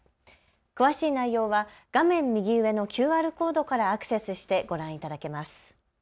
詳しい内容は画面右上のＱＲコードからアクセスしてご覧いただけます。